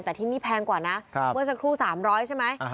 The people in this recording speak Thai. แต่ที่นี่แพงกว่านะเมื่อสักครู่๓๐๐ใช่ไหม